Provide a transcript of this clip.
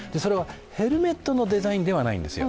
ヘルメットのデザインではないんですよ。